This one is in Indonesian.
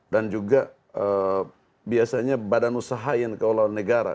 dan juga biasanya badan usaha yang keelolaan negara